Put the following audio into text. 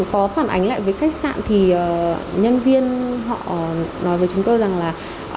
có phản ánh lại với khách sạn thì nhân viên họ nói với chúng tôi rằng là